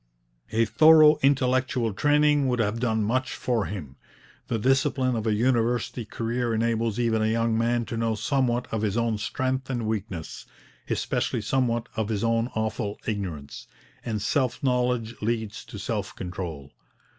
A thorough intellectual training would have done much for him. The discipline of a university career enables even a young man to know somewhat of his own strength and weakness, especially somewhat of his own awful ignorance; and self knowledge leads to self control.